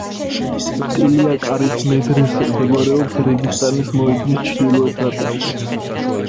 ტილია-კარის მედრესე მდებარეობს რეგისტანის მოედნის ჩრდილოეთ ნაწილში.